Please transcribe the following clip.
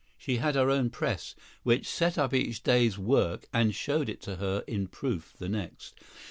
She had her own press, which set up each day's work and showed it to her in proof the next.